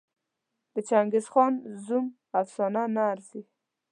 د چنګېزخان زوم افسانه نه ارزي.